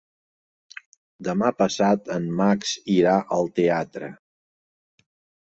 Demà passat en Max irà al teatre.